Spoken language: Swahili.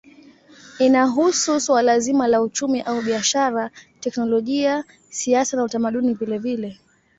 Inahusu suala zima la uchumi au biashara, teknolojia, siasa na utamaduni vilevile.